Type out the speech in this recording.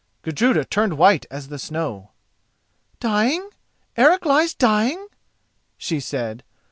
Gudruda turned white as the snow. "Dying?—Eric lies dying?" she said.